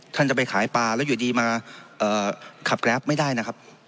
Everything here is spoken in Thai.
ท่านจะไปขายปลาแล้วอยู่ดีมาขับแกรปไม่ได้นะครับ